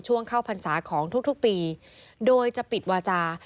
เข้าพรรษาของทุกปีโดยจะปิดวาจา